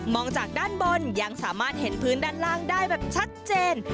จากด้านบนยังสามารถเห็นพื้นด้านล่างได้แบบชัดเจน